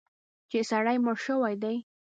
چې سړی مړ شوی دی.